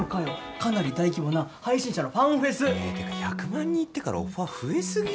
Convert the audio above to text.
かなり大規模な配信者のファンフェス！えてか１００万人いってからオファー増えすぎじゃない？